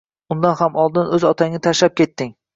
Undan ham oldin o`z otangni tashlab ketding